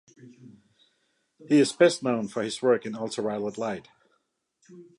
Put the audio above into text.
He is best known for his work in ultra-violet light.